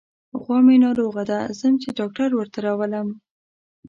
غوا مې ناروغه ده، ځم چې ډاکټر ورته راولم.